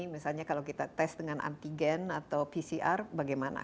misalnya kalau kita tes dengan antigen atau pcr bagaimana